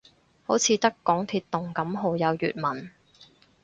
好似得港鐵動感號有粵文